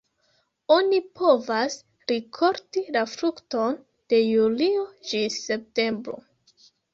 Oni povas rikolti la frukton de julio ĝis septembro.